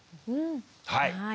はい。